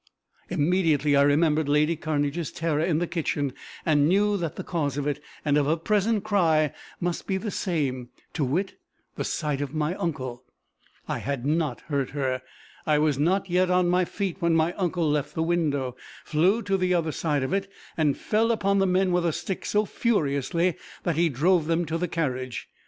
Immediately I remembered lady Cairnedge's terror in the kitchen, and knew that the cause of it, and of her present cry, must be the same, to wit, the sight of my uncle. I had not hurt her! I was not yet on my feet when my uncle left the window, flew to the other side of it, and fell upon the men with a stick so furiously that he drove them to the carriage.